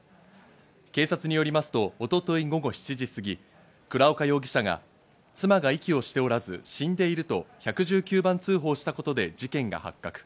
警察によりますと一昨日午後７時過ぎ、倉岡容疑者が妻が息をしておらず死んでいると１１９番通報したことで事件が発覚。